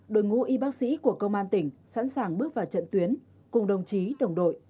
đội ngũ y bác sĩ của công an tỉnh sẵn sàng bước vào trận tuyến cùng đồng chí đồng đội